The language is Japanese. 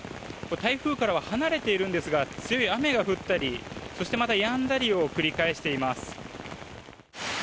台風からは離れているんですが強い雨が降ったりそしてまたやんだりを繰り返しています。